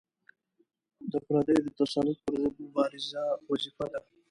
د پردیو د تسلط پر ضد مبارزه وظیفه ده.